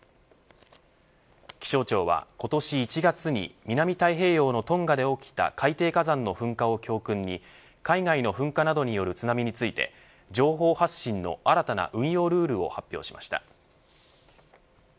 気象庁は今年１月に南太平洋のトンガで起きた海底火山の噴火を教訓に海外の噴火などによる津波について情報発信の新たな運用ルールを発表しました。